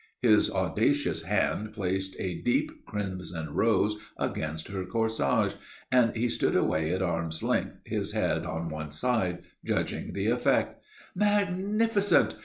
His audacious hand placed a deep crimson rose against her corsage, and he stood away at arm's length, his head on one side, judging the effect. "Magnificent!